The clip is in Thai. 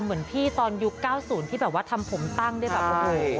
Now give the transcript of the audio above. เหมือนพี่ตอนยุค๙๐ที่แบบว่าทำผมตั้งได้แบบโอ้โห